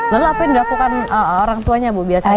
lalu apa yang dilakukan orang tuanya ibu biasanya